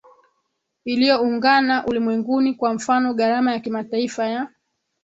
iliyoungana ulimwenguni Kwa mfano gharama ya kimataifa ya